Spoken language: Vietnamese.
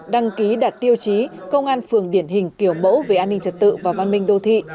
đăng ký đạt tiêu chí công an phường điển hình kiểu mẫu về an ninh trật tự và văn minh đô thị